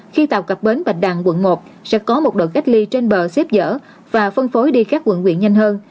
khi tàu cặp bến và đàn quận một sẽ có một đội cách ly trên bờ xếp dở và phân phối đi khắp quận nguyện nhanh hơn